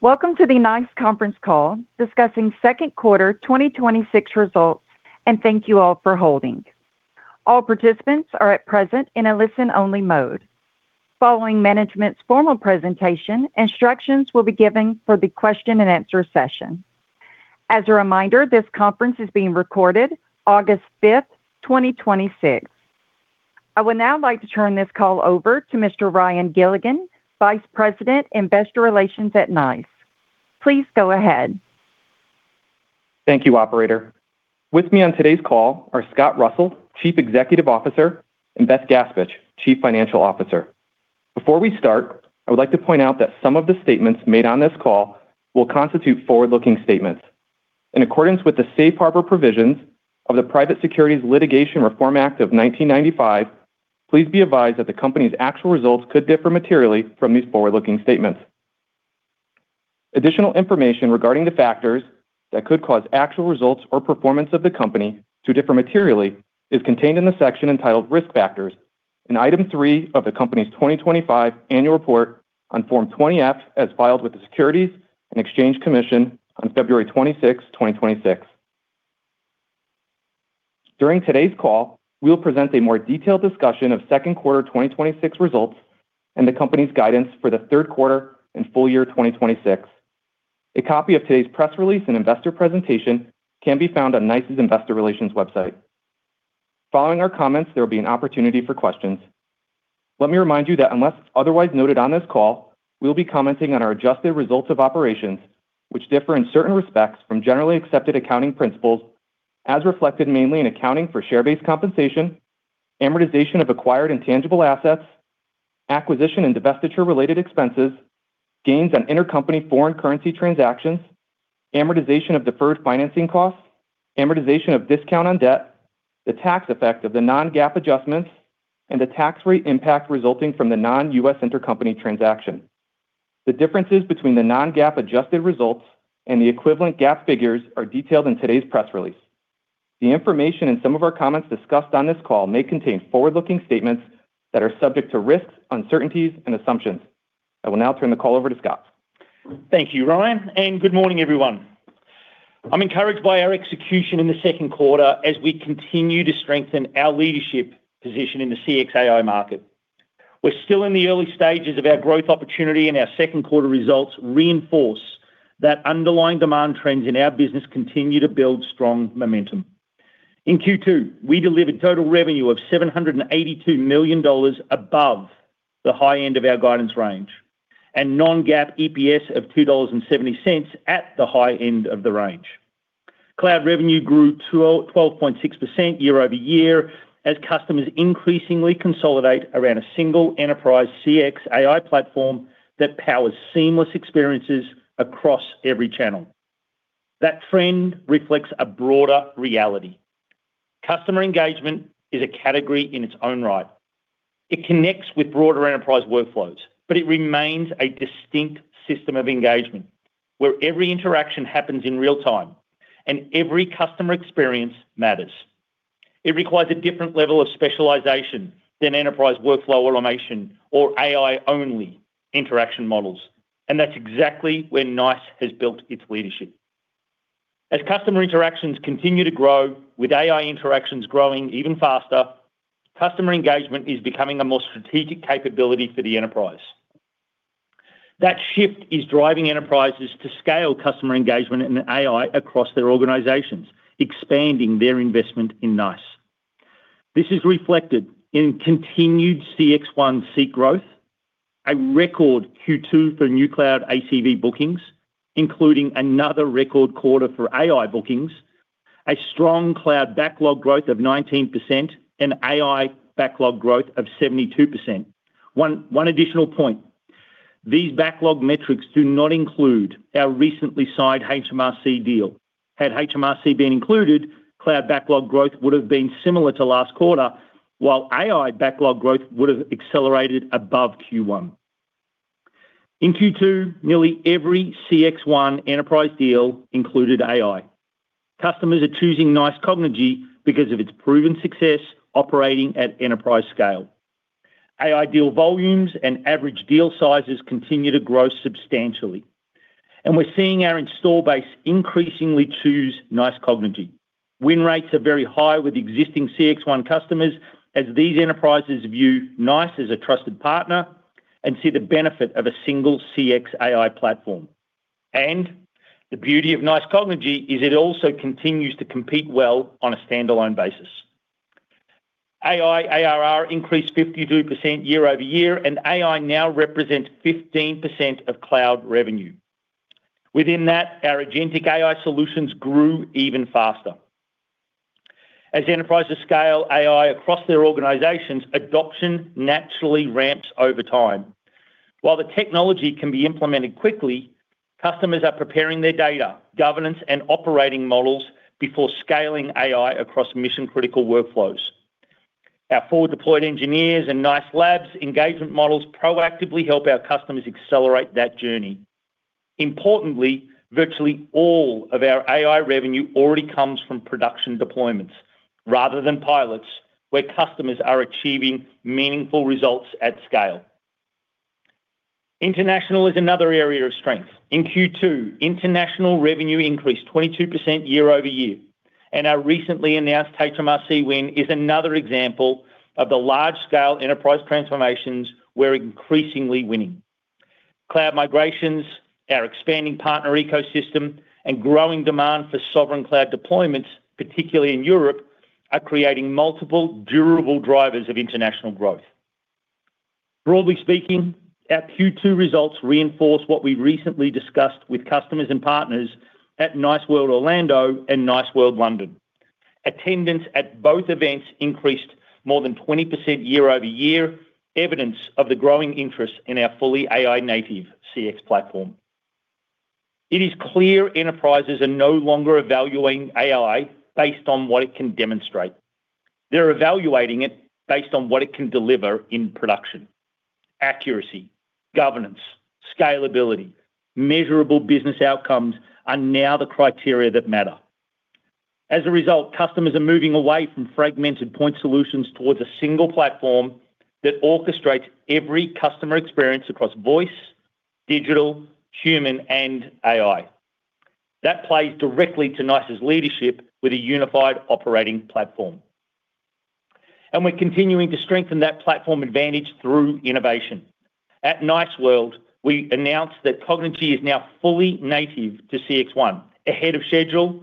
Welcome to the NICE conference call discussing second quarter 2026 results, thank you all for holding. All participants are at present in a listen-only mode. Following management's formal presentation, instructions will be given for the question-and-answer session. As a reminder, this conference is being recorded August 5, 2026. I would now like to turn this call over to Mr. Ryan Gilligan, Vice President in Investor Relations at NICE. Please go ahead. Thank you, operator. With me on today's call are Scott Russell, Chief Executive Officer, and Beth Gaspich, Chief Financial Officer. Before we start, I would like to point out that some of the statements made on this call will constitute forward-looking statements. In accordance with the Safe Harbor provisions of the Private Securities Litigation Reform Act of 1995, please be advised that the company's actual results could differ materially from these forward-looking statements. Additional information regarding the factors that could cause actual results or performance of the company to differ materially is contained in the section entitled Risk Factors in Item three of the company's 2025 Annual Report on Form 20-F as filed with the Securities and Exchange Commission on February 26, 2026. During today's call, we will present a more detailed discussion of second quarter 2026 results and the company's guidance for the third quarter and full year 2026. A copy of today's press release and investor presentation can be found on NICE's investor relations website. Following our comments, there will be an opportunity for questions. Let me remind you that unless otherwise noted on this call, we will be commenting on our adjusted results of operations, which differ in certain respects from Generally Accepted Accounting Principles, as reflected mainly in accounting for share-based compensation, amortization of acquired intangible assets, acquisition and divestiture related expenses, gains on intercompany foreign currency transactions, amortization of deferred financing costs, amortization of discount on debt, the tax effect of the non-GAAP adjustments, and the tax rate impact resulting from the non-U.S. intercompany transaction. The differences between the non-GAAP adjusted results and the equivalent GAAP figures are detailed in today's press release. The information in some of our comments discussed on this call may contain forward-looking statements that are subject to risks, uncertainties, and assumptions. I will now turn the call over to Scott. Thank you, Ryan, and good morning, everyone. I'm encouraged by our execution in the second quarter as we continue to strengthen our leadership position in the CXAI market. We're still in the early stages of our growth opportunity, and our second quarter results reinforce that underlying demand trends in our business continue to build strong momentum. In Q2, we delivered total revenue of $782 million above the high end of our guidance range and non-GAAP EPS of $2.70 at the high end of the range. Cloud revenue grew to a 12.6% year-over-year as customers increasingly consolidate around a single enterprise CXAI platform that powers seamless experiences across every channel. That trend reflects a broader reality. Customer engagement is a category in its own right. It connects with broader enterprise workflows, it remains a distinct system of engagement where every interaction happens in real-time and every customer experience matters. It requires a different level of specialization than enterprise workflow automation or AI-only interaction models, that's exactly where NICE has built its leadership. As customer interactions continue to grow with AI interactions growing even faster, customer engagement is becoming a more strategic capability for the enterprise. That shift is driving enterprises to scale customer engagement and AI across their organizations, expanding their investment in NICE. This is reflected in continued CXone seat growth, a record Q2 for new cloud ACV bookings, including another record quarter for AI bookings, a strong cloud backlog growth of 19%, and AI backlog growth of 72%. One additional point, these backlog metrics do not include our recently signed HMRC deal. Had HMRC been included, cloud backlog growth would have been similar to last quarter, while AI backlog growth would have accelerated above Q1. In Q2, nearly every CXone enterprise deal included AI. Customers are choosing NICE Cognigy because of its proven success operating at enterprise scale. AI deal volumes and average deal sizes continue to grow substantially, we're seeing our install base increasingly choose NICE Cognigy. Win rates are very high with existing CXone customers as these enterprises view NICE as a trusted partner and see the benefit of a single CXAI platform. The beauty of NICE Cognigy is it also continues to compete well on a stand-alone basis. AI ARR increased 52% year-over-year, and AI now represents 15% of cloud revenue. Within that, our Agentic AI solutions grew even faster. As enterprises scale AI across their organizations, adoption naturally ramps over time. While the technology can be implemented quickly, customers are preparing their data governance and operating models before scaling AI across mission-critical workflows. Our full deployed engineers and NICE Labs engagement models proactively help our customers accelerate that journey. Importantly, virtually all of our AI revenue already comes from production deployments rather than pilots where customers are achieving meaningful results at scale. International is another area of strength. In Q2, international revenue increased 22% year-over-year, and our recently announced HMRC win is another example of the large-scale enterprise transformations we're increasingly winning. Cloud migrations, our expanding partner ecosystem, and growing demand for sovereign cloud deployments, particularly in Europe, are creating multiple durable drivers of international growth. Broadly speaking, our Q2 results reinforce what we recently discussed with customers and partners at NICE World Orlando and NICE World London. Attendance at both events increased more than 20% year-over-year, evidence of the growing interest in our fully AI-native CX platform. It is clear enterprises are no longer evaluating AI based on what it can demonstrate. They're evaluating it based on what it can deliver in production. Accuracy, governance, scalability, measurable business outcomes are now the criteria that matter. As a result, customers are moving away from fragmented point solutions towards a single platform that orchestrates every customer experience across voice, digital, human, and AI. That plays directly to NICE's leadership with a unified operating platform. We're continuing to strengthen that platform advantage through innovation. At NICE World, we announced that Cognigy is now fully native to CXone, ahead of schedule,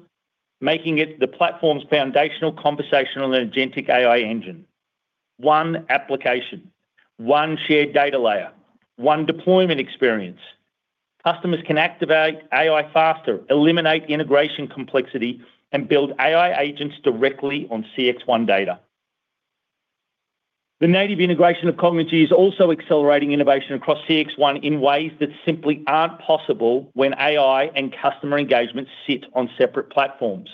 making it the platform's foundational conversational agentic AI engine. One application, one shared data layer, one deployment experience. Customers can activate AI faster, eliminate integration complexity, and build AI agents directly on CXone data. The native integration of Cognigy is also accelerating innovation across CXone in ways that simply aren't possible when AI and customer engagement sit on separate platforms.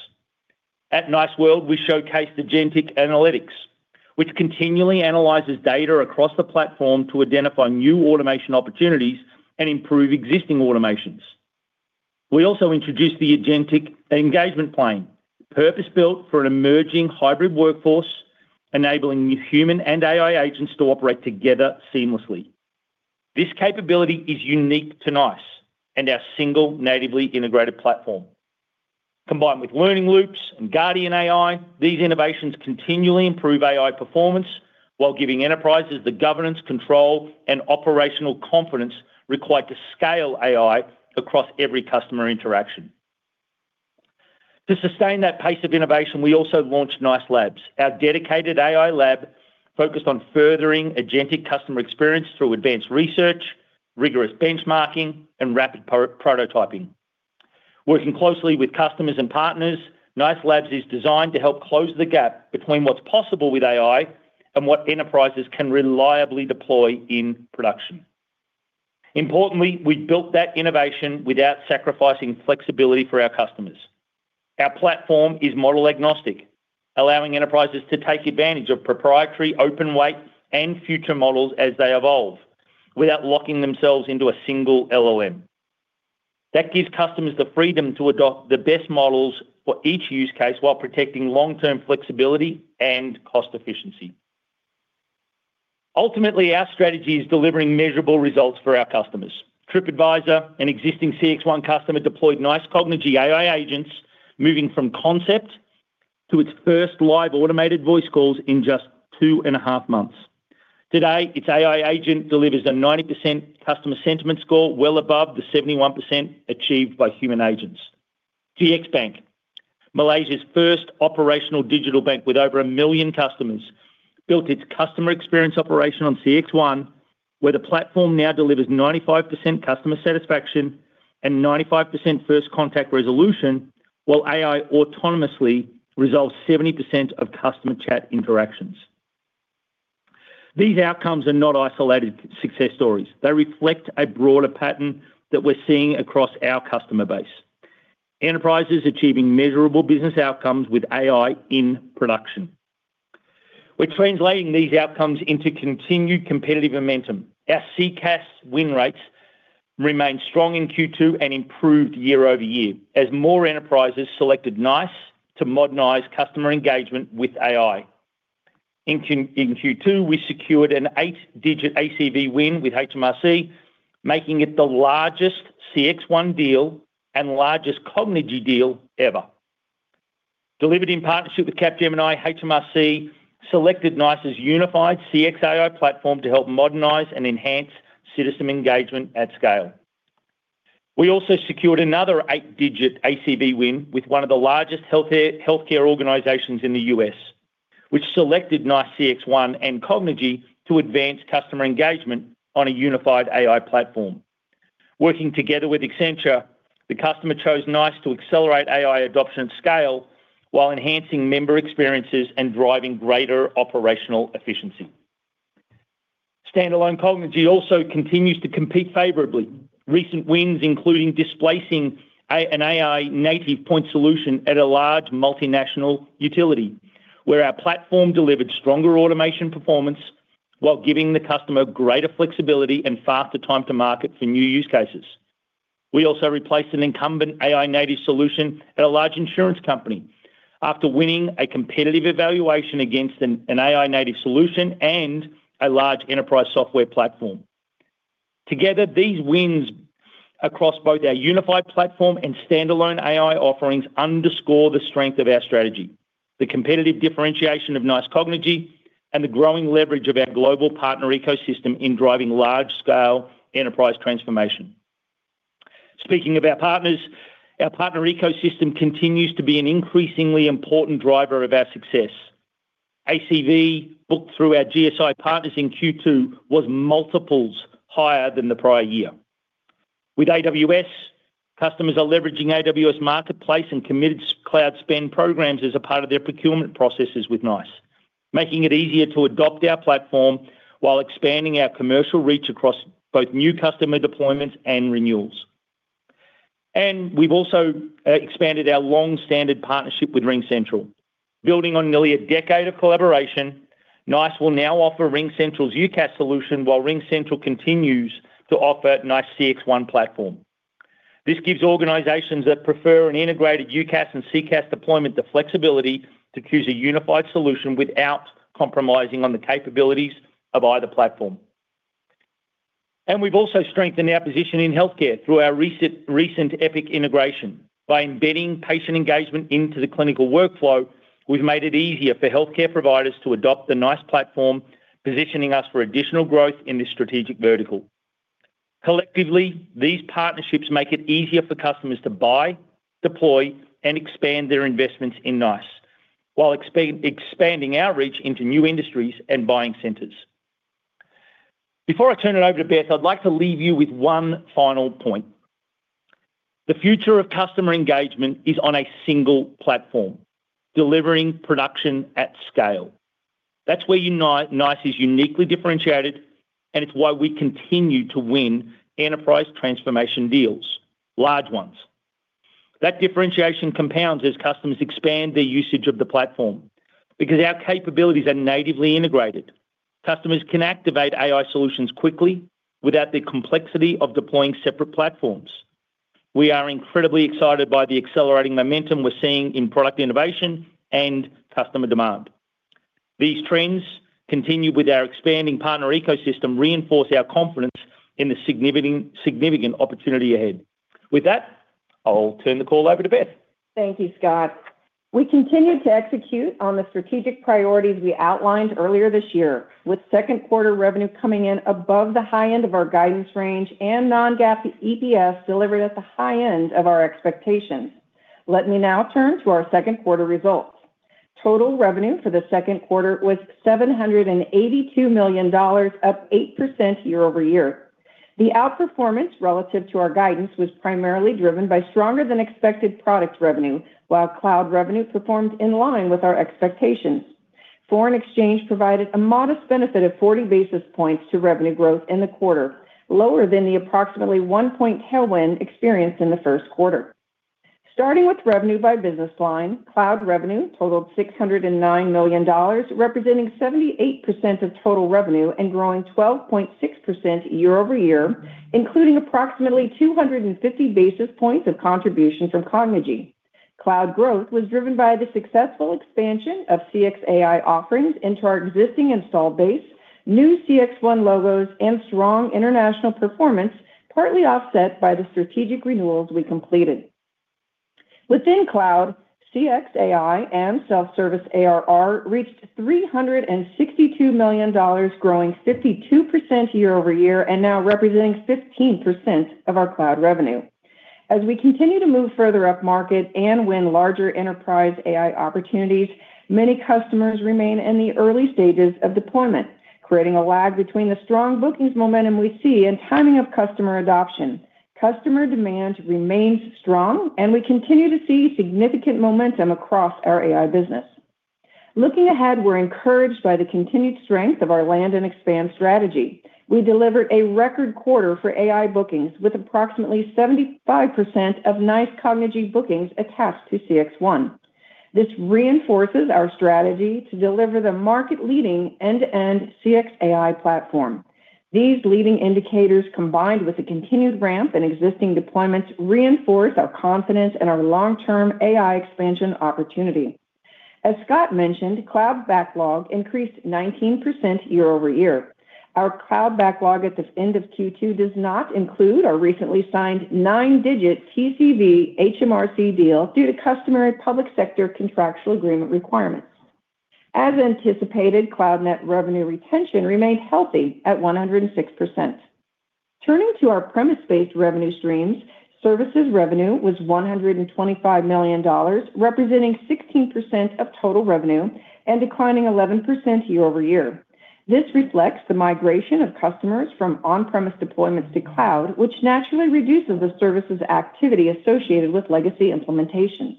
At NICE World, we showcased Agentic Analytics, which continually analyzes data across the platform to identify new automation opportunities and improve existing automations. We also introduced the Agentic Engagement Plane, purpose-built for an emerging hybrid workforce, enabling human and AI agents to operate together seamlessly. This capability is unique to NICE and our single natively integrated platform. Combined with learning loops and Guardian AI, these innovations continually improve AI performance while giving enterprises the governance, control, and operational confidence required to scale AI across every customer interaction. To sustain that pace of innovation, we also launched NICE Labs, our dedicated AI lab focused on furthering agentic customer experience through advanced research, rigorous benchmarking, and rapid prototyping. Working closely with customers and partners, NICE Labs is designed to help close the gap between what's possible with AI and what enterprises can reliably deploy in production. Importantly, we built that innovation without sacrificing flexibility for our customers. Our platform is model agnostic, allowing enterprises to take advantage of proprietary, open weight, and future models as they evolve, without locking themselves into a single LLM. That gives customers the freedom to adopt the best models for each use case while protecting long-term flexibility and cost efficiency. Ultimately, our strategy is delivering measurable results for our customers. TripAdvisor, an existing CXone customer, deployed NICE Cognigy AI agents, moving from concept to its first live automated voice calls in just two and a half months. Today, its AI agent delivers a 90% customer sentiment score, well above the 71% achieved by human agents. GXBank, Malaysia's first operational digital bank with over 1 million customers, built its customer experience operation on CXone, where the platform now delivers 95% customer satisfaction and 95% first contact resolution, while AI autonomously resolves 70% of customer chat interactions. These outcomes are not isolated success stories. They reflect a broader pattern that we're seeing across our customer base. Enterprises achieving measurable business outcomes with AI in production. We're translating these outcomes into continued competitive momentum. Our CCaaS win rates remained strong in Q2 and improved year-over-year as more enterprises selected NICE to modernize customer engagement with AI. In Q2, we secured an eight-digit ACV win with HMRC, making it the largest CXone deal and largest Cognigy deal ever. Delivered in partnership with Capgemini, HMRC selected NICE's unified CXAI platform to help modernize and enhance citizen engagement at scale. We also secured another eight-digit ACV win with one of the largest healthcare organizations in the U.S., which selected NICE CXone and Cognigy to advance customer engagement on a unified AI platform. Working together with Accenture, the customer chose NICE to accelerate AI adoption and scale while enhancing member experiences and driving greater operational efficiency. Standalone Cognigy also continues to compete favorably. Recent wins including displacing an AI native point solution at a large multinational utility, where our platform delivered stronger automation performance while giving the customer greater flexibility and faster time to market for new use cases. We also replaced an incumbent AI-native solution at a large insurance company after winning a competitive evaluation against an AI-native solution and a large enterprise software platform. Together, these wins across both our unified platform and standalone AI offerings underscore the strength of our strategy, the competitive differentiation of NICE Cognigy, and the growing leverage of our global partner ecosystem in driving large-scale enterprise transformation. Speaking of our partners, our partner ecosystem continues to be an increasingly important driver of our success. ACV booked through our GSI partners in Q2 was multiples higher than the prior year. With AWS, customers are leveraging AWS Marketplace and committed cloud spend programs as a part of their procurement processes with NICE, making it easier to adopt our platform while expanding our commercial reach across both new customer deployments and renewals. We've also expanded our long-standing partnership with RingCentral. Building on nearly a decade of collaboration, NICE will now offer RingCentral's UCaaS solution while RingCentral continues to offer NICE CXone platform. This gives organizations that prefer an integrated UCaaS and CCaaS deployment the flexibility to choose a unified solution without compromising on the capabilities of either platform. We've also strengthened our position in healthcare through our recent Epic integration. By embedding patient engagement into the clinical workflow, we've made it easier for healthcare providers to adopt the NICE platform, positioning us for additional growth in this strategic vertical. Collectively, these partnerships make it easier for customers to buy, deploy, and expand their investments in NICE while expanding our reach into new industries and buying centers. Before I turn it over to Beth, I'd like to leave you with one final point. The future of customer engagement is on a single platform, delivering production at scale. That's where NICE is uniquely differentiated, and it's why we continue to win enterprise transformation deals, large ones. That differentiation compounds as customers expand their usage of the platform. Because our capabilities are natively integrated, customers can activate AI solutions quickly without the complexity of deploying separate platforms. We are incredibly excited by the accelerating momentum we're seeing in product innovation and customer demand. These trends, continued with our expanding partner ecosystem, reinforce our confidence in the significant opportunity ahead. With that, I'll turn the call over to Beth. Thank you, Scott. We continue to execute on the strategic priorities we outlined earlier this year, with second quarter revenue coming in above the high end of our guidance range and non-GAAP EPS delivered at the high end of our expectations. Let me now turn to our second quarter results. Total revenue for the second quarter was $782 million, up 8% year-over-year. The outperformance relative to our guidance was primarily driven by stronger than expected product revenue, while cloud revenue performed in line with our expectations. Foreign exchange provided a modest benefit of 40 basis points to revenue growth in the quarter, lower than the approximately one point tailwind experienced in the first quarter. Starting with revenue by business line, cloud revenue totaled $609 million, representing 78% of total revenue and growing 12.6% year-over-year, including approximately 250 basis points of contribution from Cognigy. Cloud growth was driven by the successful expansion of CXAI offerings into our existing install base, new CXone logos, and strong international performance, partly offset by the strategic renewals we completed. Within cloud, CXAI and self-service ARR reached $362 million, growing 52% year-over-year and now representing 15% of our cloud revenue. As we continue to move further up market and win larger enterprise AI opportunities, many customers remain in the early stages of deployment, creating a lag between the strong bookings momentum we see and timing of customer adoption. Customer demand remains strong, and we continue to see significant momentum across our AI business. Looking ahead, we're encouraged by the continued strength of our land and expand strategy. We delivered a record quarter for AI bookings with approximately 75% of NICE Cognigy bookings attached to CXone. This reinforces our strategy to deliver the market leading end-to-end CXAI platform. These leading indicators, combined with the continued ramp in existing deployments, reinforce our confidence in our long-term AI expansion opportunity. As Scott mentioned, cloud backlog increased 19% year-over-year. Our cloud backlog at the end of Q2 does not include our recently signed nine-digit TCV HMRC deal due to customary public sector contractual agreement requirements. As anticipated, cloud net revenue retention remained healthy at 106%. Turning to our premise-based revenue streams, services revenue was $125 million, representing 16% of total revenue and declining 11% year-over-year. This reflects the migration of customers from on-premise deployments to cloud, which naturally reduces the services activity associated with legacy implementations.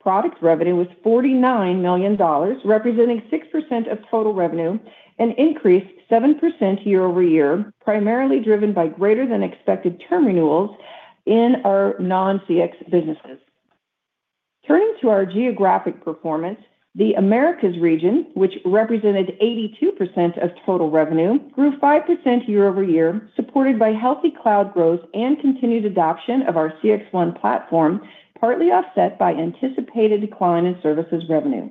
Product revenue was $49 million, representing 6% of total revenue, and increased 7% year-over-year, primarily driven by greater than expected term renewals in our non-CX businesses. Turning to our geographic performance, the Americas region, which represented 82% of total revenue, grew 5% year-over-year, supported by healthy cloud growth and continued adoption of our CXone platform, partly offset by anticipated decline in services revenue.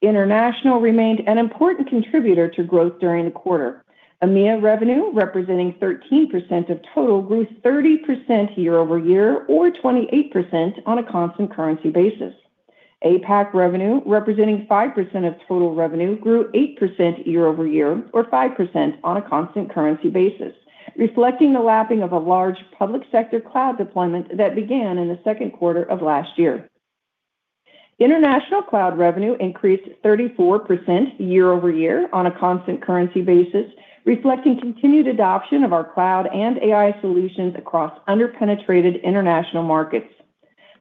International remained an important contributor to growth during the quarter. EMEIA revenue, representing 13% of total, grew 30% year-over-year or 28% on a constant currency basis. APAC revenue, representing 5% of total revenue, grew 8% year-over-year or 5% on a constant currency basis, reflecting the lapping of a large public sector cloud deployment that began in the second quarter of last year. International cloud revenue increased 34% year-over-year on a constant currency basis, reflecting continued adoption of our cloud and AI solutions across under-penetrated international markets.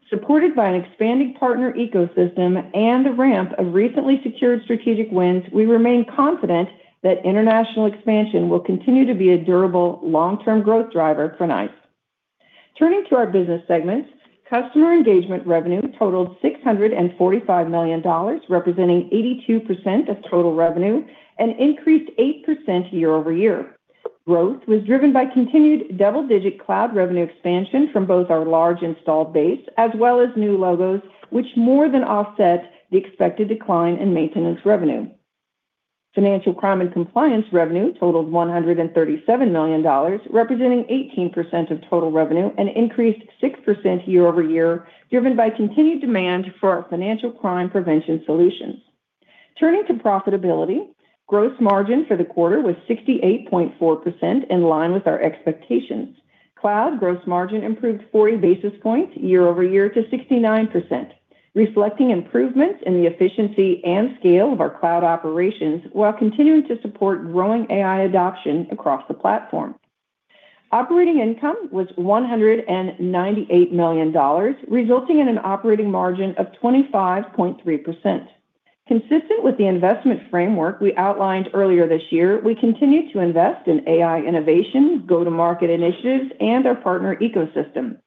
Supported by an expanding partner ecosystem and the ramp of recently secured strategic wins, we remain confident that international expansion will continue to be a durable long-term growth driver for NICE. Turning to our business segments, Customer Engagement revenue totaled $645 million, representing 82% of total revenue, and increased 8% year-over-year. Growth was driven by continued double-digit cloud revenue expansion from both our large installed base as well as new logos, which more than offset the expected decline in maintenance revenue. Financial Crime and Compliance revenue totaled $137 million, representing 18% of total revenue, and increased 6% year-over-year, driven by continued demand for our financial crime prevention solutions. Turning to profitability, gross margin for the quarter was 68.4%, in line with our expectations. Cloud gross margin improved 40 basis points year-over-year to 69%, reflecting improvements in the efficiency and scale of our cloud operations while continuing to support growing AI adoption across the platform. Operating income was $198 million, resulting in an operating margin of 25.3%. Consistent with the investment framework we outlined earlier this year, we continue to invest in AI innovation, go-to-market initiatives, and our partner ecosystem.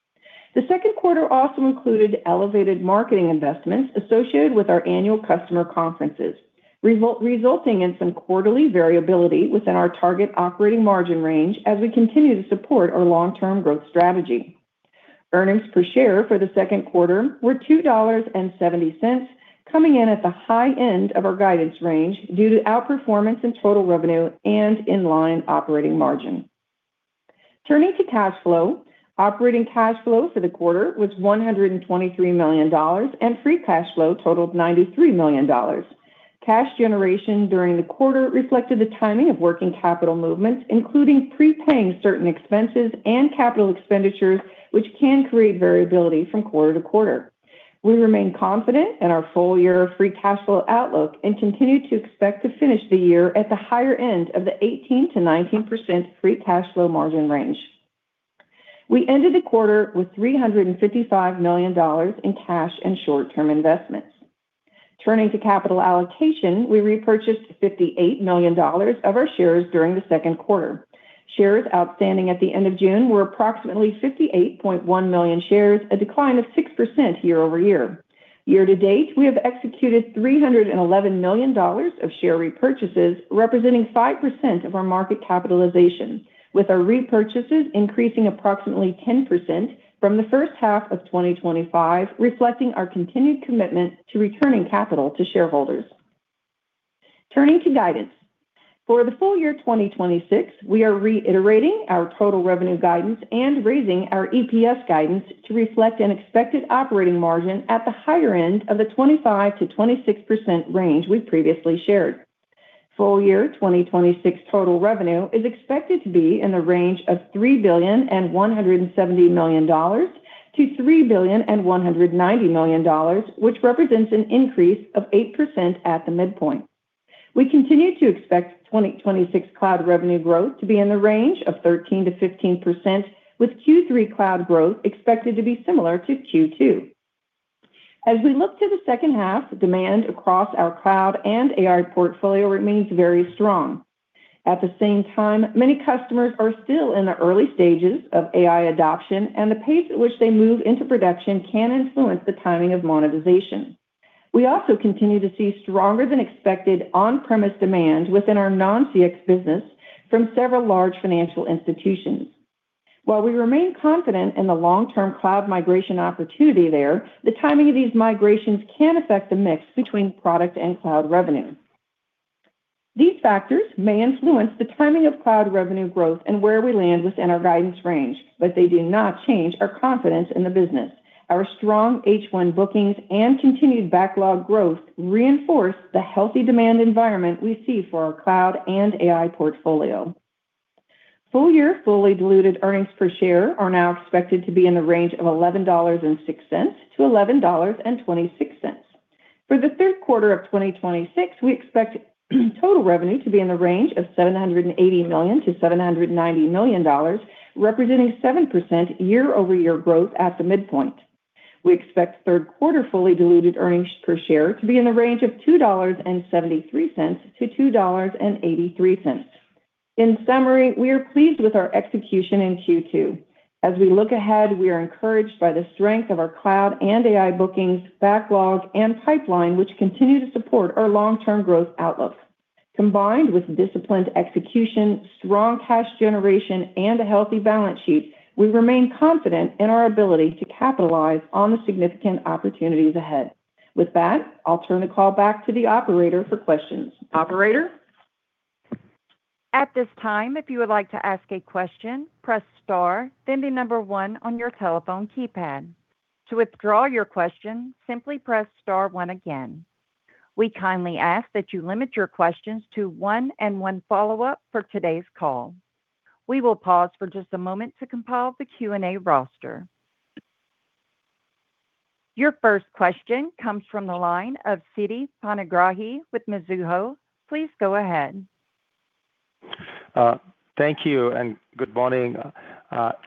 The second quarter also included elevated marketing investments associated with our annual customer conferences, resulting in some quarterly variability within our target operating margin range as we continue to support our long-term growth strategy. Earnings per share for the second quarter were $2.70, coming in at the high end of our guidance range due to outperformance in total revenue and in-line operating margin. Turning to cash flow, operating cash flow for the quarter was $123 million, and free cash flow totaled $93 million. Cash generation during the quarter reflected the timing of working capital movements, including prepaying certain expenses and capital expenditures, which can create variability from quarter-to-quarter. We remain confident in our full-year free cash flow outlook and continue to expect to finish the year at the higher end of the 18%-19% free cash flow margin range. We ended the quarter with $355 million in cash and short-term investments. Turning to capital allocation, we repurchased $58 million of our shares during the second quarter. Shares outstanding at the end of June were approximately 58.1 million shares, a decline of 6% year-over-year. Year-to-date, we have executed $311 million of share repurchases, representing 5% of our market capitalization, with our repurchases increasing approximately 10% from the first half of 2025, reflecting our continued commitment to returning capital to shareholders. Turning to guidance. For the full year 2026, we are reiterating our total revenue guidance and raising our EPS guidance to reflect an expected operating margin at the higher end of the 25%-26% range we've previously shared. Full year 2026 total revenue is expected to be in the range of $3 billion and $170 million to $3 billion and $190 million, which represents an increase of 8% at the midpoint. We continue to expect 2026 cloud revenue growth to be in the range of 13%-15%, with Q3 cloud growth expected to be similar to Q2. As we look to the second half, demand across our cloud and AI portfolio remains very strong. At the same time, many customers are still in the early stages of AI adoption, and the pace at which they move into production can influence the timing of monetization. We also continue to see stronger than expected on-premise demand within our non-CX business from several large financial institutions. While we remain confident in the long-term cloud migration opportunity there, the timing of these migrations can affect the mix between product and cloud revenue. These factors may influence the timing of cloud revenue growth and where we land within our guidance range, but they do not change our confidence in the business. Our strong H1 bookings and continued backlog growth reinforce the healthy demand environment we see for our cloud and AI portfolio. Full year fully diluted earnings per share are now expected to be in the range of $11.06-$11.26. For the third quarter of 2026, we expect total revenue to be in the range of $780 million-$790 million, representing 7% year-over-year growth at the midpoint. We expect third quarter fully diluted earnings per share to be in the range of $2.73-$2.83. In summary, we are pleased with our execution in Q2. As we look ahead, we are encouraged by the strength of our cloud and AI bookings, backlog, and pipeline, which continue to support our long-term growth outlook. Combined with disciplined execution, strong cash generation, and a healthy balance sheet, we remain confident in our ability to capitalize on the significant opportunities ahead. With that, I'll turn the call back to the operator for questions. Operator? At this time, if you would like to ask a question, press star, then the number one on your telephone keypad. To withdraw your question, simply press star one again. We kindly ask that you limit your questions to one and one follow-up for today's call. We will pause for just a moment to compile the Q&A roster. Your first question comes from the line of Siti Panigrahi with Mizuho. Please go ahead. Thank you. Good morning.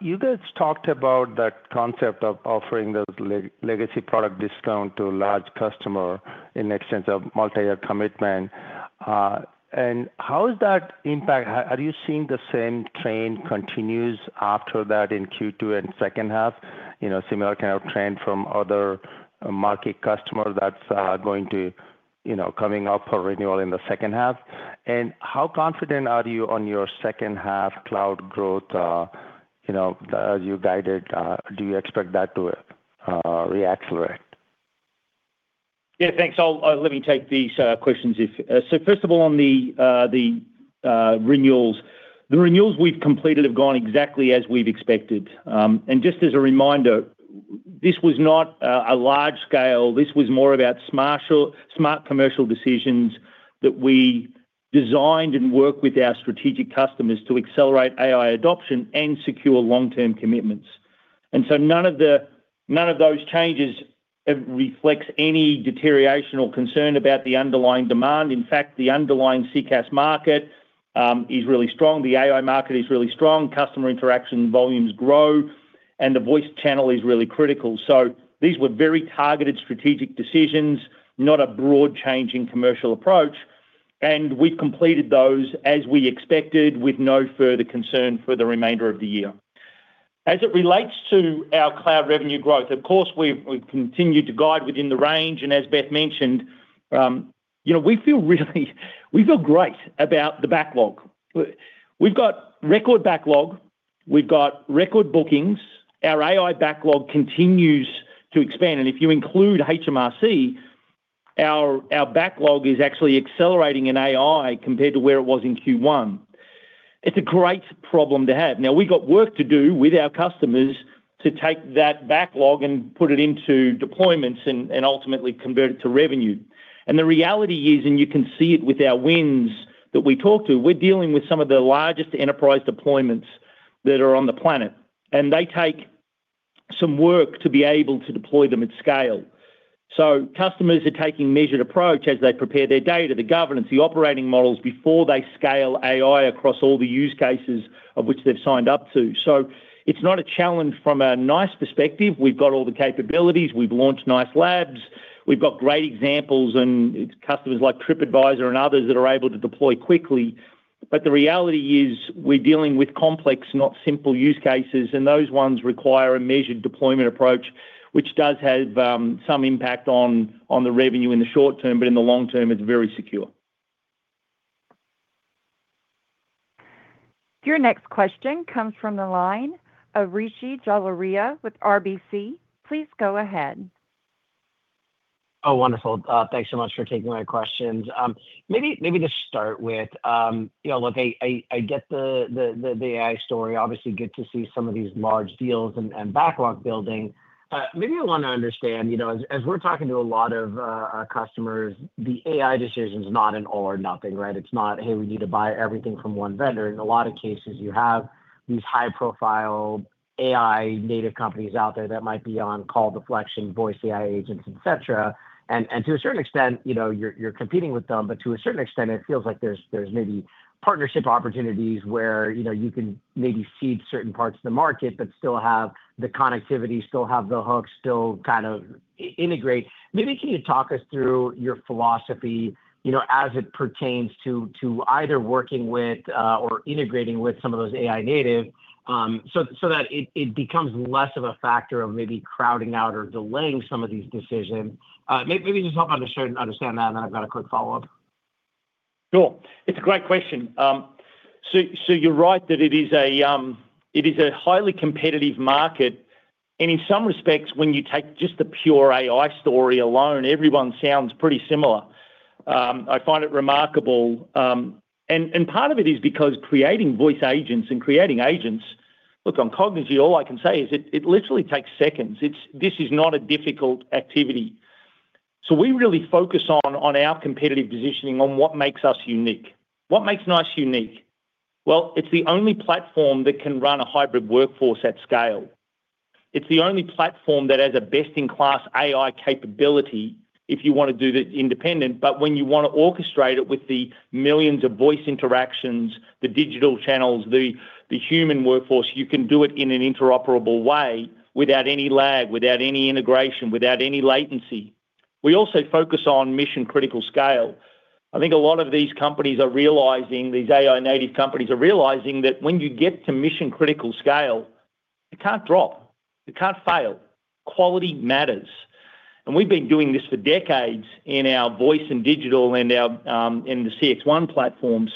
You guys talked about that concept of offering those legacy product discount to a large customer in exchange of multiyear commitment. How does that impact? Are you seeing the same trend continue after that in Q2 and second half? Similar kind of trend from other market customer that's going to come up for renewal in the second half. How confident are you on your second half cloud growth as you guided? Do you expect that to re-accelerate? Yeah, thanks. Let me take these questions. First of all, on the renewals. The renewals we've completed have gone exactly as we've expected. Just as a reminder, this was not a large scale. This was more about smart commercial decisions that we designed and work with our strategic customers to accelerate AI adoption and secure long-term commitments. None of those changes reflects any deterioration or concern about the underlying demand. In fact, the underlying CCaaS market is really strong. The AI market is really strong. Customer interaction volumes grow, and the voice channel is really critical. These were very targeted strategic decisions, not a broad change in commercial approach, and we've completed those as we expected with no further concern for the remainder of the year. As it relates to our cloud revenue growth, of course, we've continued to guide within the range, and as Beth mentioned, we feel great about the backlog. We've got record backlog. We've got record bookings. Our AI backlog continues to expand, and if you include HMRC, our backlog is actually accelerating in AI compared to where it was in Q1. It's a great problem to have. We've got work to do with our customers to take that backlog and put it into deployments and ultimately convert it to revenue. The reality is, and you can see it with our wins that we talk to, we're dealing with some of the largest enterprise deployments that are on the planet, and they take some work to be able to deploy them at scale. Customers are taking a measured approach as they prepare their data, the governance, the operating models before they scale AI across all the use cases of which they've signed up to. It's not a challenge from a NICE perspective. We've got all the capabilities. We've launched NICE Labs. We've got great examples, and it's customers like TripAdvisor and others that are able to deploy quickly. The reality is, we're dealing with complex, not simple use cases, and those ones require a measured deployment approach, which does have some impact on the revenue in the short term, but in the long term, it's very secure. Your next question comes from the line of Rishi Jaluria with RBC. Please go ahead. Oh, wonderful. Thanks so much for taking my questions. Just start with, look, I get the AI story. Obviously, good to see some of these large deals and backlog building. I want to understand, as we're talking to a lot of our customers, the AI decision's not an all or nothing, right? It's not, "Hey, we need to buy everything from one vendor." In a lot of cases, you have these high-profile AI native companies out there that might be on call deflection, voice AI agents, et cetera. To a certain extent, you're competing with them, but to a certain extent, it feels like there's maybe partnership opportunities where you can maybe cede certain parts of the market but still have the connectivity, still have the hooks, still kind of integrate. Can you talk us through your philosophy, as it pertains to either working with or integrating with some of those AI native, so that it becomes less of a factor of maybe crowding out or delaying some of these decisions. Just help understand that, then I've got a quick follow-up. Sure. It's a great question. You're right that it is a highly competitive market, in some respects, when you take just the pure AI story alone, everyone sounds pretty similar. I find it remarkable. Part of it is because creating voice agents and creating agents, look, on Cognigy, all I can say is it literally takes seconds. This is not a difficult activity. We really focus on our competitive positioning on what makes us unique. What makes NICE unique? Well, it's the only platform that can run a hybrid workforce at scale. It's the only platform that has a best-in-class AI capability if you want to do it independent, but when you want to orchestrate it with the millions of voice interactions, the digital channels, the human workforce, you can do it in an interoperable way without any lag, without any integration, without any latency. We also focus on mission-critical scale. I think a lot of these AI-native companies are realizing that when you get to mission-critical scale, you can't drop. You can't fail. Quality matters. We've been doing this for decades in our voice and digital and in the CXone platform.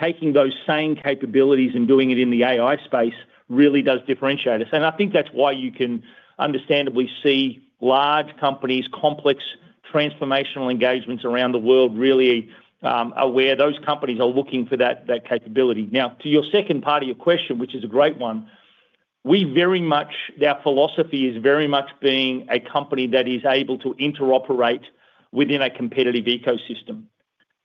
Taking those same capabilities and doing it in the AI space really does differentiate us. I think that's why you can understandably see large companies, complex transformational engagements around the world, really are where those companies are looking for that capability. To your second part of your question, which is a great one, our philosophy is very much being a company that is able to interoperate within a competitive ecosystem.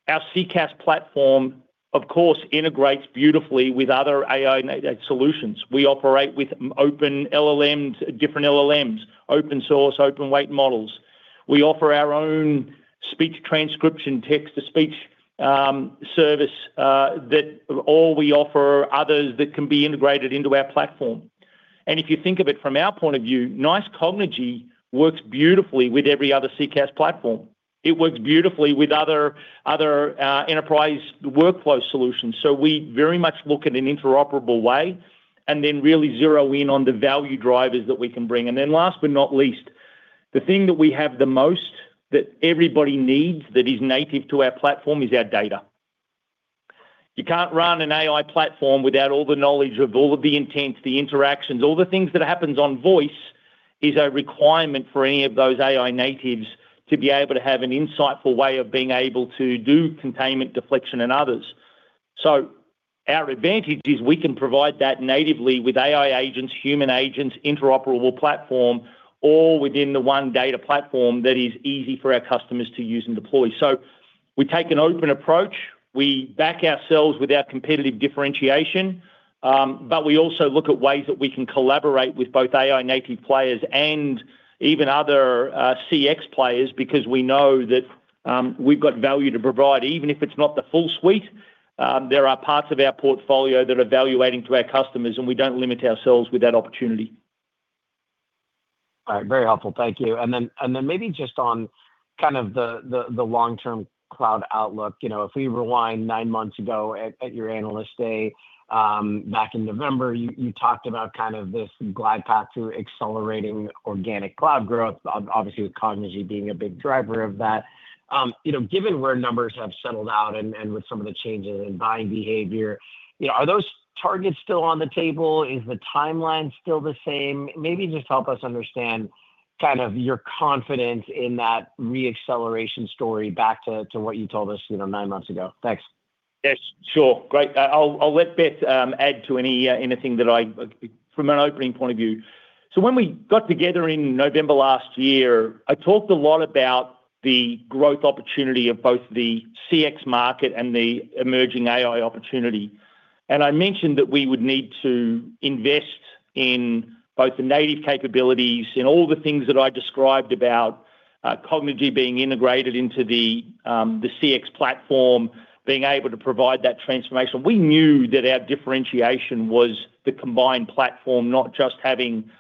Our CCaaS platform, of course, integrates beautifully with other AI-native solutions. We operate with open LLMs, different LLMs, open source, open weight models. We offer our own speech transcription, text-to-speech service, or we offer others that can be integrated into our platform. If you think of it from our point of view, NICE Cognigy works beautifully with every other CCaaS platform. It works beautifully with other enterprise workflow solutions. We very much look at an interoperable way and really zero in on the value drivers that we can bring. Last but not least, the thing that we have the most, that everybody needs, that is native to our platform is our data. You can't run an AI platform without all the knowledge of all of the intents, the interactions. All the things that happens on voice is a requirement for any of those AI natives to be able to have an insightful way of being able to do containment, deflection, and others. Our advantage is we can provide that natively with AI agents, human agents, interoperable platform, all within the one data platform that is easy for our customers to use and deploy. We take an open approach. We back ourselves with our competitive differentiation, we also look at ways that we can collaborate with both AI-native players and even other CX players because we know that we've got value to provide. Even if it's not the full suite, there are parts of our portfolio that are valuable to our customers, and we don't limit ourselves with that opportunity. All right. Very helpful. Thank you. Maybe just on the long-term cloud outlook, if we rewind nine months ago at your Analyst Day back in November, you talked about this glide path to accelerating organic cloud growth, obviously with Cognigy being a big driver of that. Given where numbers have settled out and with some of the changes in buying behavior, are those targets still on the table? Is the timeline still the same? Maybe just help us understand your confidence in that re-acceleration story back to what you told us nine months ago. Thanks. Yes, sure. Great. I'll let Beth add to anything that I From an opening point of view. When we got together in November last year, I talked a lot about the growth opportunity of both the CX market and the emerging AI opportunity. I mentioned that we would need to invest in both the native capabilities and all the things that I described about Cognigy being integrated into the CX platform, being able to provide that transformation. We knew that our differentiation was the combined platform, not just having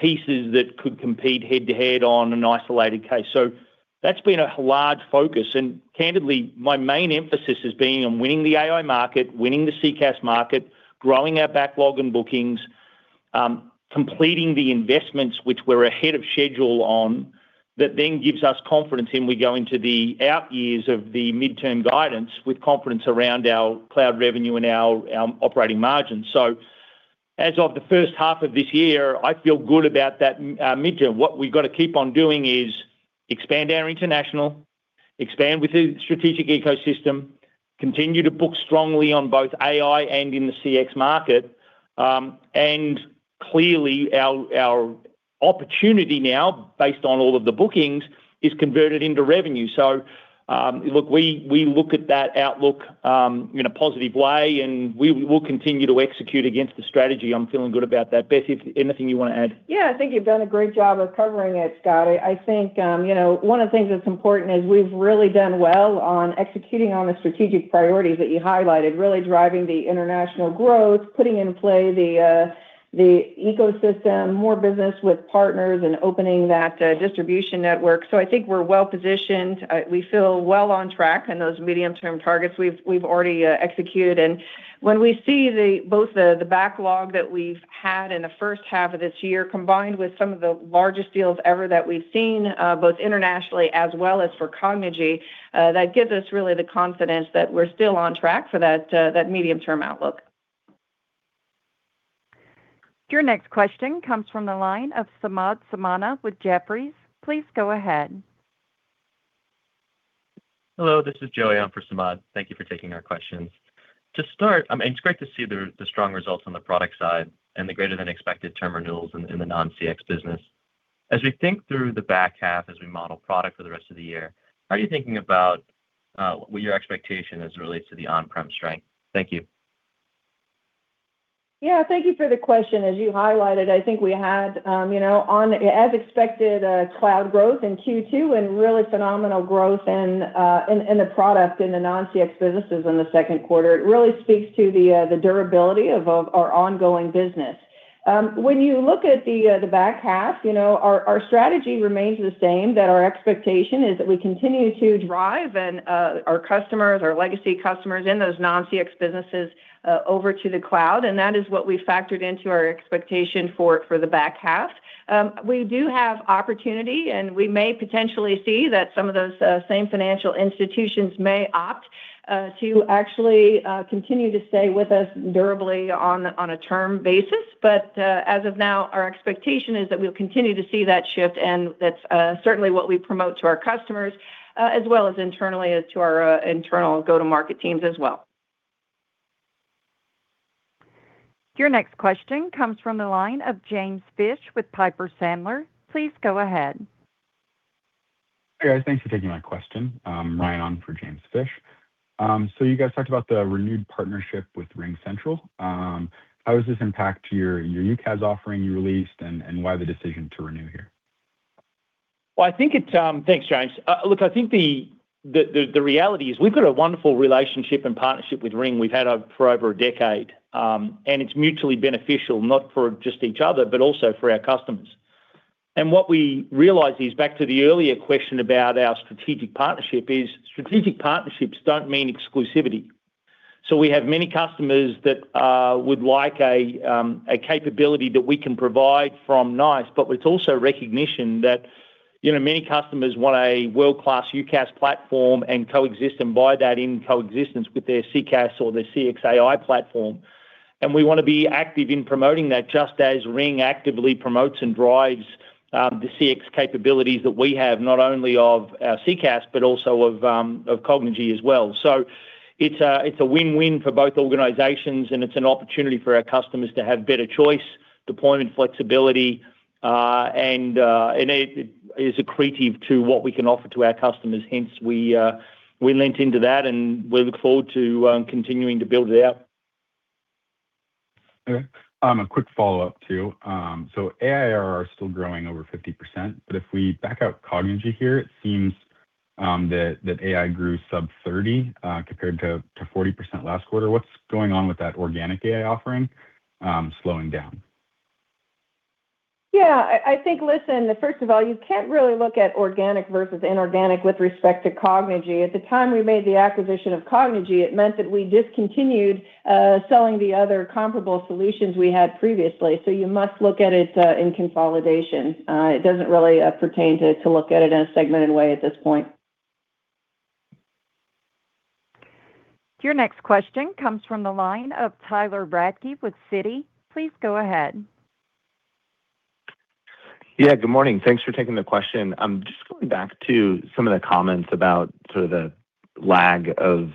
pieces that could compete head-to-head on an isolated case. That's been a large focus. Candidly, my main emphasis has been on winning the AI market, winning the CCaaS market, growing our backlog and bookings, completing the investments which we're ahead of schedule on. That gives us confidence in we go into the out years of the midterm guidance with confidence around our cloud revenue and our operating margins. As of the first half of this year, I feel good about that midterm. What we've got to keep on doing is expand our international, expand with the strategic ecosystem, continue to book strongly on both AI and in the CX market. Clearly, our opportunity now, based on all of the bookings, is converted into revenue. Look, we look at that outlook in a positive way, and we'll continue to execute against the strategy. I'm feeling good about that. Beth, anything you want to add? I think you've done a great job of covering it, Scott. I think one of the things that's important is we've really done well on executing on the strategic priorities that you highlighted, really driving the international growth, putting in play the ecosystem, more business with partners, and opening that distribution network. I think we're well positioned. We feel well on track in those medium-term targets we've already executed. When we see both the backlog that we've had in the first half of this year, combined with some of the largest deals ever that we've seen, both internationally as well as for Cognigy, that gives us really the confidence that we're still on track for that medium-term outlook. Your next question comes from the line of Samad Samana with Jefferies. Please go ahead. Hello, this is Joey. I'm for Samad. Thank you for taking our questions. To start, it's great to see the strong results on the product side and the greater than expected term renewals in the non-CX business. As we think through the back half as we model product for the rest of the year, are you thinking about what your expectation as it relates to the on-prem strength? Thank you. Yeah. Thank you for the question. As you highlighted, I think we had, as expected, cloud growth in Q2 and really phenomenal growth in the product in the non-CX businesses in the second quarter. It really speaks to the durability of our ongoing business. When you look at the back half, our strategy remains the same, that our expectation is that we continue to drive our customers, our legacy customers in those non-CX businesses over to the cloud. That is what we factored into our expectation for the back half. We do have opportunity, and we may potentially see that some of those same financial institutions may opt to actually continue to stay with us durably on a term basis. As of now, our expectation is that we'll continue to see that shift, and that's certainly what we promote to our customers, as well as internally to our internal go-to-market teams as well. Your next question comes from the line of James Fish with Piper Sandler. Please go ahead. Hi, guys. Thanks for taking my question. Ryan on for James Fish. You guys talked about the renewed partnership with RingCentral. How does this impact your UCaaS offering you released, and why the decision to renew here? Well, thanks, Ryan. Look, I think the reality is we've got a wonderful relationship and partnership with Ring we've had for over a decade. It's mutually beneficial, not for just each other, but also for our customers. What we realized is, back to the earlier question about our strategic partnership is, strategic partnerships don't mean exclusivity. We have many customers that would like a capability that we can provide from NICE, but with also recognition that many customers want a world-class UCaaS platform and buy that in coexistence with their CCaaS or their CXAI platform. We want to be active in promoting that, just as Ring actively promotes and drives the CX capabilities that we have, not only of our CCaaS, but also of Cognigy as well. It's a win-win for both organizations, and it's an opportunity for our customers to have better choice, deployment flexibility, and it is accretive to what we can offer to our customers. Hence we leant into that and we look forward to continuing to build it out. Okay. A quick follow-up, too. ARR is still growing over 50%, but if we back out Cognigy here, it seems that AI grew sub 30% compared to 40% last quarter. What's going on with that organic AI offering slowing down? Yeah. I think, listen, first of all, you can't really look at organic versus inorganic with respect to Cognigy. At the time we made the acquisition of Cognigy, it meant that we discontinued selling the other comparable solutions we had previously. You must look at it in consolidation. It doesn't really pertain to look at it in a segmented way at this point. Your next question comes from the line of Tyler Radke with Citi. Please go ahead. Yeah, good morning. Thanks for taking the question. Just going back to some of the comments about sort of the lag of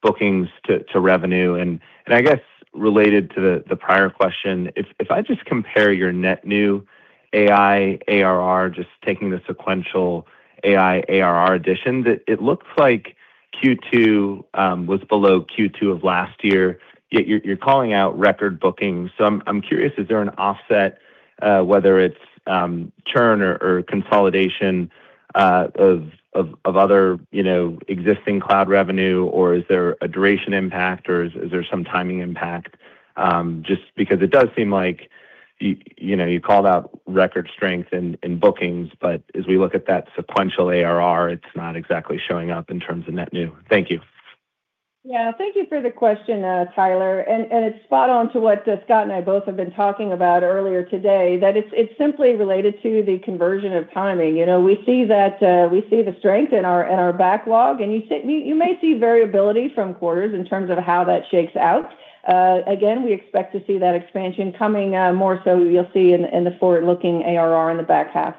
bookings to revenue, I guess related to the prior question. If I just compare your net new AI ARR, just taking the sequential AI ARR addition, it looks like Q2 was below Q2 of last year. Yet you're calling out record bookings. I'm curious, is there an offset, whether it's churn or consolidation of other existing cloud revenue, or is there a duration impact, or is there some timing impact? Just because it does seem like you called out record strength in bookings, as we look at that sequential ARR, it's not exactly showing up in terms of net new. Thank you. Yeah. Thank you for the question, Tyler. It's spot on to what Scott and I both have been talking about earlier today, that it's simply related to the conversion of timing. We see the strength in our backlog, you may see variability from quarters in terms of how that shakes out. Again, we expect to see that expansion coming more so you'll see in the forward-looking ARR in the back half.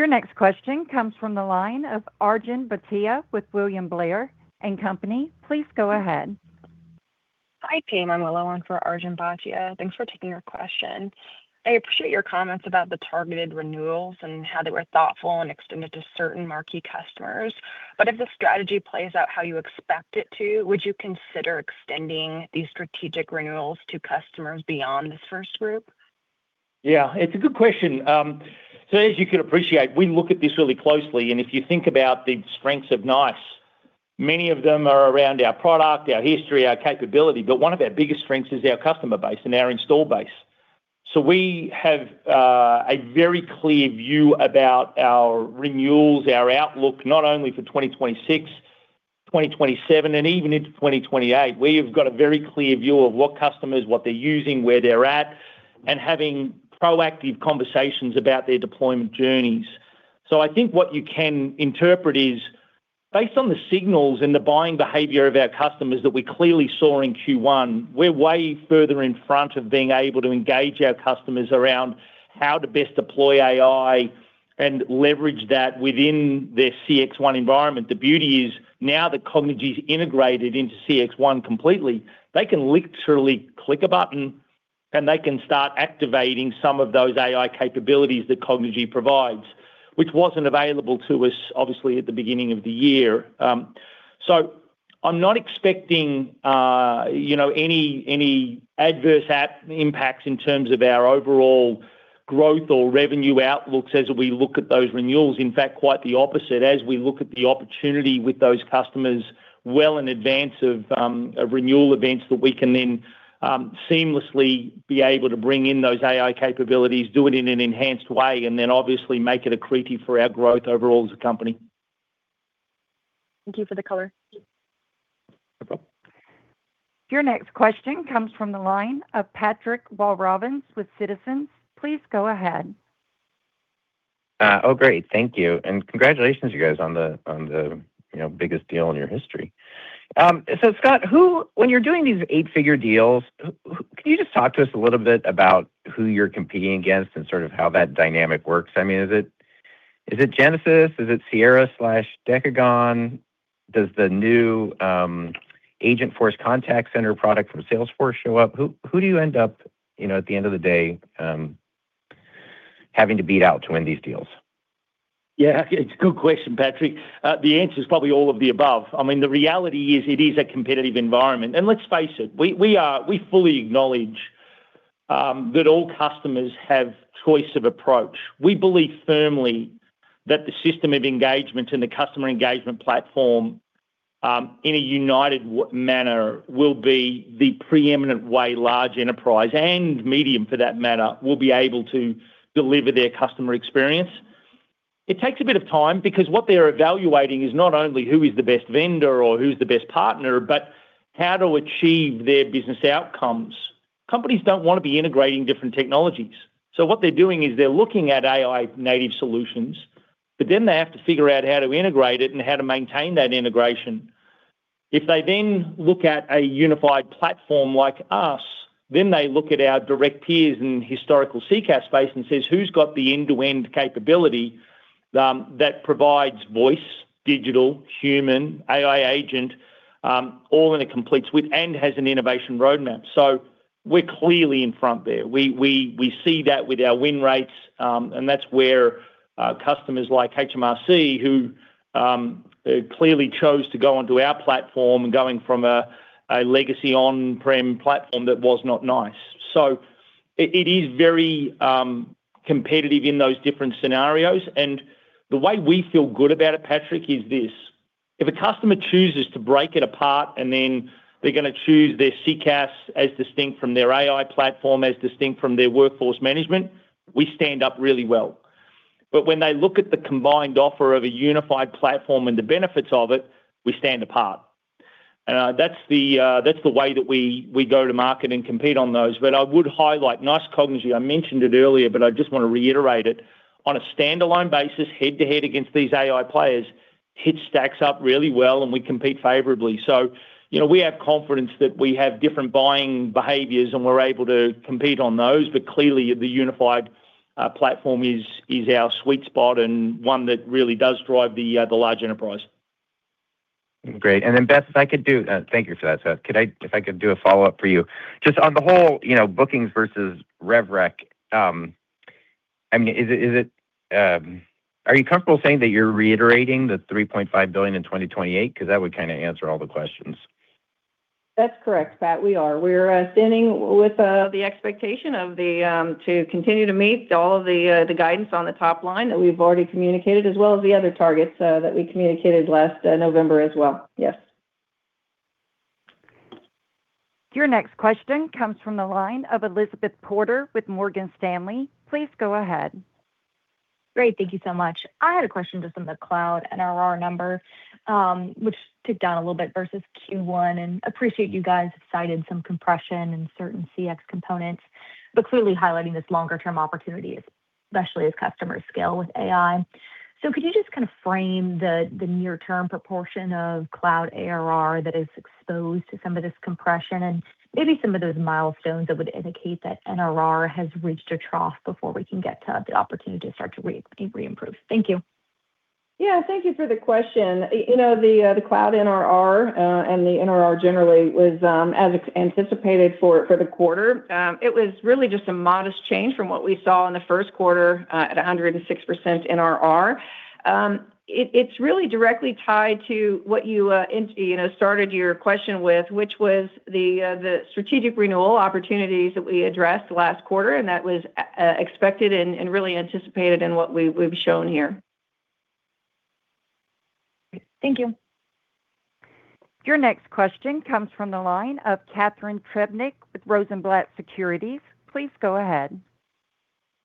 Your next question comes from the line of Arjun Bhatia with William Blair & Company. Please go ahead. Hi, team. Miller on for Arjun Bhatia. Thanks for taking our question. I appreciate your comments about the targeted renewals and how they were thoughtful and extended to certain marquee customers. If the strategy plays out how you expect it to, would you consider extending these strategic renewals to customers beyond this first group? Yeah. It's a good question. As you can appreciate, we look at this really closely. If you think about the strengths of NICE, many of them are around our product, our history, our capability. One of our biggest strengths is our customer base and our install base. We have a very clear view about our renewals, our outlook, not only for 2026, 2027, and even into 2028. We have got a very clear view of what customers, what they're using, where they're at, and having proactive conversations about their deployment journeys. I think what you can interpret is based on the signals and the buying behavior of our customers that we clearly saw in Q1, we're way further in front of being able to engage our customers around how to best deploy AI and leverage that within their CXone environment. The beauty is now that Cognigy's integrated into CXone completely, they can literally click a button and they can start activating some of those AI capabilities that Cognigy provides, which wasn't available to us, obviously, at the beginning of the year. I'm not expecting any adverse app impacts in terms of our overall growth or revenue outlook says that we look at those renewals. In fact, quite the opposite. As we look at the opportunity with those customers well in advance of renewal events that we can then seamlessly be able to bring in those AI capabilities, do it in an enhanced way, and then obviously make it accretive for our growth overall as a company. Thank you for the color. No problem. Your next question comes from the line of Patrick Walravens with Citizens. Please go ahead. Great. Thank you, and congratulations you guys on the biggest deal in your history. Scott, when you're doing these eight-figure deals, can you just talk to us a little bit about who you're competing against and sort of how that dynamic works? Is it Genesys? Is it Sierra/Decagon? Does the new Agentforce contact center product from Salesforce show up? Who do you end up, at the end of the day, having to beat out to win these deals? It's a good question, Patrick. The answer is probably all of the above. The reality is, it is a competitive environment. Let's face it, we fully acknowledge that all customers have choice of approach. We believe firmly that the system of engagement and the customer engagement platform, in a united manner, will be the preeminent way large enterprise, and medium for that matter, will be able to deliver their customer experience. It takes a bit of time because what they're evaluating is not only who is the best vendor or who's the best partner, but how to achieve their business outcomes. Companies don't want to be integrating different technologies. What they're doing is they're looking at AI-native solutions, but then they have to figure out how to integrate it and how to maintain that integration. If they then look at a unified platform like us, then they look at our direct peers in historical CCaaS space and says, "Who's got the end-to-end capability that provides voice, digital, human, AI agent, all in a complete suite and has an innovation roadmap?" We're clearly in front there. We see that with our win rates, and that's where customers like HMRC who clearly chose to go onto our platform, going from a legacy on-prem platform that was not NICE. It is very competitive in those different scenarios. The way we feel good about it, Patrick, is this: if a customer chooses to break it apart and then they're going to choose their CCaaS as distinct from their AI platform, as distinct from their workforce management, we stand up really well. When they look at the combined offer of a unified platform and the benefits of it, we stand apart. That's the way that we go to market and compete on those. I would highlight NICE Cognigy, I mentioned it earlier, but I just want to reiterate it. On a standalone basis, head to head against these AI players, it stacks up really well and we compete favorably. We have confidence that we have different buying behaviors and we're able to compete on those. Clearly, the unified platform is our sweet spot and one that really does drive the large enterprise. Great. Thank you for that, Scott. If I could do a follow-up for you. Just on the whole, bookings versus rev rec. Are you comfortable saying that you're reiterating the $3.5 billion in 2028? Because that would kind of answer all the questions. That's correct, Pat. We are. We're standing with the expectation to continue to meet all of the guidance on the top line that we've already communicated, as well as the other targets that we communicated last November as well. Yes. Your next question comes from the line of Elizabeth Porter with Morgan Stanley. Please go ahead. Great. Thank you so much. I had a question just on the cloud NRR number, which ticked down a little bit versus Q1. Appreciate you guys have cited some compression in certain CX components, clearly highlighting this longer term opportunity, especially as customers scale with AI. Could you just kind of frame the near term proportion of cloud ARR that is exposed to some of this compression and maybe some of those milestones that would indicate that NRR has reached a trough before we can get to the opportunity to start to re-improve. Thank you. Thank you for the question. The cloud NRR, the NRR generally, was as anticipated for the quarter. It was really just a modest change from what we saw in the first quarter at 106% NRR. It's really directly tied to what you started your question with, which was the strategic renewal opportunities that we addressed last quarter. That was expected and really anticipated in what we've shown here. Great. Thank you. Your next question comes from the line of Catharine Trebnick with Rosenblatt Securities. Please go ahead.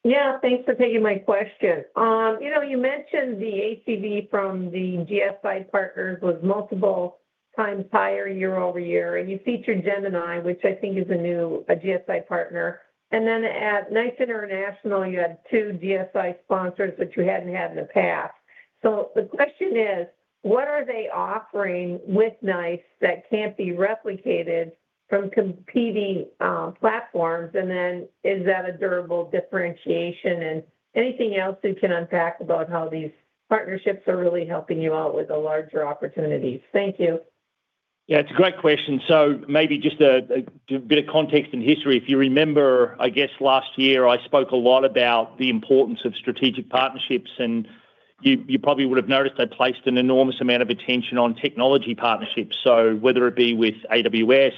Yeah. Thanks for taking my question. You mentioned the ACV from the GSI partners was multiple times higher year-over-year, and you featured Capgemini, which I think is a new GSI partner. At NICE World, you had two GSI sponsors that you hadn't had in the past. The question is, what are they offering with NICE that can't be replicated from competing platforms? Is that a durable differentiation? Anything else you can unpack about how these partnerships are really helping you out with the larger opportunities? Thank you. Yeah, it's a great question. Maybe just a bit of context and history. If you remember, I guess last year, I spoke a lot about the importance of strategic partnerships, and you probably would've noticed I placed an enormous amount of attention on technology partnerships. Whether it be with AWS,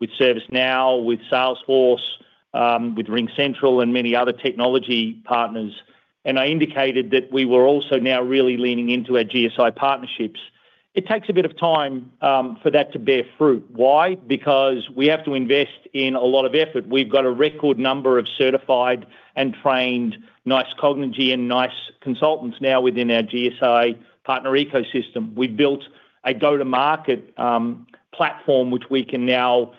with ServiceNow, with Salesforce, with RingCentral, and many other technology partners. I indicated that we were also now really leaning into our GSI partnerships. It takes a bit of time for that to bear fruit. Why? Because we have to invest in a lot of effort. We've got a record number of certified and trained NICE Cognigy and NICE consultants now within our GSI partner ecosystem. We've built a go-to-market platform which we can now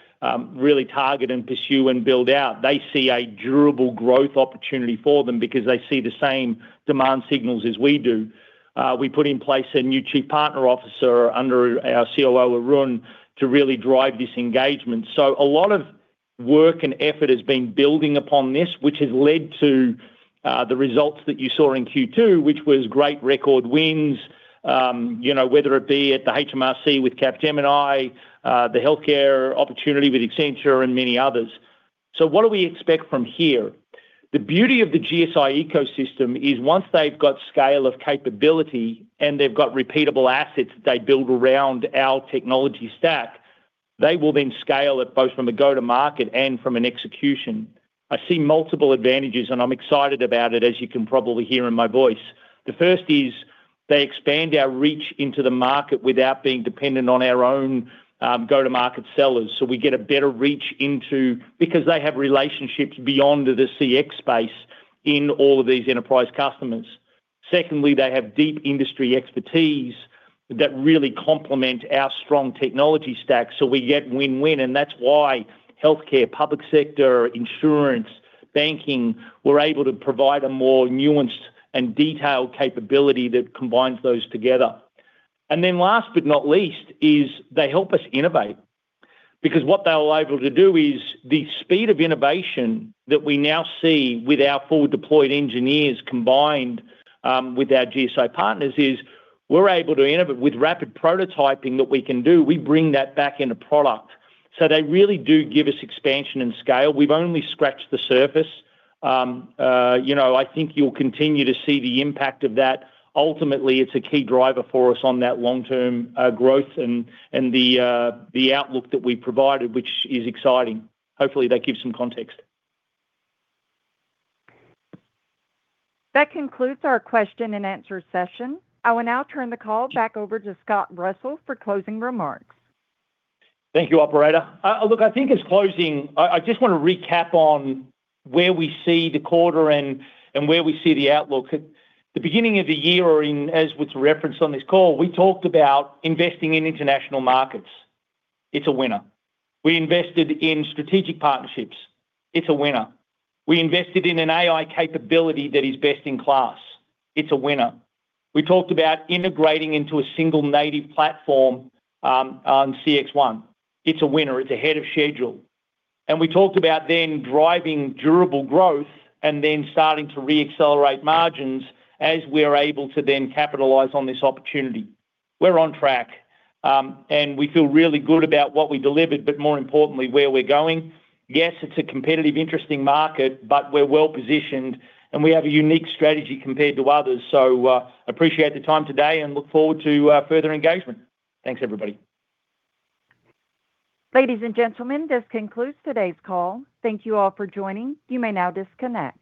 really target and pursue and build out. They see a durable growth opportunity for them because they see the same demand signals as we do. We put in place a new chief partner officer under our COO, Arun, to really drive this engagement. A lot of work and effort has been building upon this, which has led to the results that you saw in Q2, which was great record wins. Whether it be at the HMRC with Capgemini, the healthcare opportunity with Accenture, and many others. What do we expect from here? The beauty of the GSI ecosystem is once they've got scale of capability and they've got repeatable assets that they build around our technology stack, they will then scale it both from a go-to-market and from an execution. I see multiple advantages, and I'm excited about it, as you can probably hear in my voice. The first is they expand our reach into the market without being dependent on our own go-to-market sellers. We get a better reach into because they have relationships beyond the CX space in all of these enterprise customers. Secondly, they have deep industry expertise that really complement our strong technology stack. We get win-win, and that's why healthcare, public sector, insurance, banking, we're able to provide a more nuanced and detailed capability that combines those together. Last but not least is they help us innovate. What they were able to do is the speed of innovation that we now see with our full deployed engineers, combined with our GSI partners, is we're able to innovate with rapid prototyping that we can do. We bring that back into product. They really do give us expansion and scale. We've only scratched the surface. I think you'll continue to see the impact of that. Ultimately, it's a key driver for us on that long-term growth and the outlook that we provided, which is exciting. Hopefully, that gives some context. That concludes our question and answer session. I will now turn the call back over to Scott Russell for closing remarks. Thank you, operator. Look, I think as closing, I just want to recap on where we see the quarter and where we see the outlook. At the beginning of the year or as was referenced on this call, we talked about investing in international markets. It's a winner. We invested in strategic partnerships. It's a winner. We invested in an AI capability that is best in class. It's a winner. We talked about integrating into a single native platform on CXone. It's a winner. It's ahead of schedule. We talked about then driving durable growth and then starting to re-accelerate margins as we're able to then capitalize on this opportunity. We're on track. We feel really good about what we delivered, but more importantly, where we're going. Yes, it's a competitive, interesting market, but we're well-positioned, and we have a unique strategy compared to others. Appreciate the time today and look forward to further engagement. Thanks, everybody. Ladies and gentlemen, this concludes today's call. Thank you all for joining. You may now disconnect.